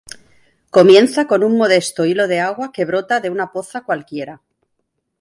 Comienza con un modesto hilo de agua que brota de una poza cualquiera.